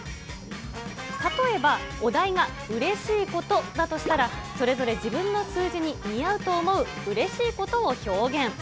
例えば、お題がうれしいことだとしたら、それぞれ自分の数字に見合うと思ううれしいことを表現。